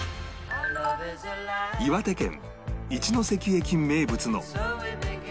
岩手県一ノ関駅名物の